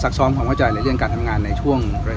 รับการพันชาติต่อไปครับขอบคุณมากครับ